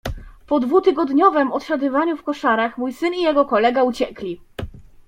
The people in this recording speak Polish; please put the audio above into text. "Po dwutygodniowem odsiadywaniu w koszarach mój syn i jego kolega uciekli."